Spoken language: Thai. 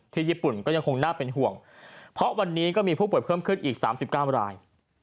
ญี่ปุ่นก็ยังคงน่าเป็นห่วงเพราะวันนี้ก็มีผู้ป่วยเพิ่มขึ้นอีก๓๙ราย